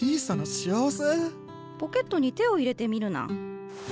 ポケットに手を入れてみるナン。